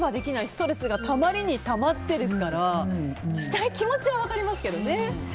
ストレスがたまりにたまってですからしたい気持ちは分かりますけどね。